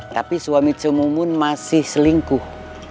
tapi suami cemumun masih selingkuh